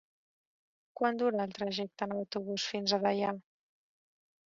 Quant dura el trajecte en autobús fins a Deià?